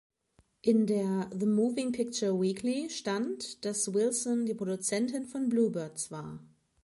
In der „The Moving Picture Weekly“ stand, dass Wilson die Produzentin von „Bluebirds“ war.